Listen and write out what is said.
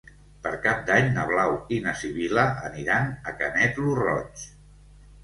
Per Cap d'Any na Blau i na Sibil·la aniran a Canet lo Roig.